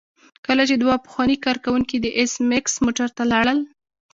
کله چې دوه پخواني کارکوونکي د ایس میکس موټر ته لاړل